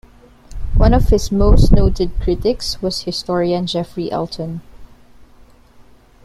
One of his most noted critics was the historian Geoffrey Elton.